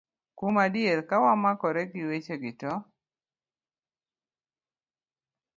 Kuom adier, ka wamakore gi wechegi, to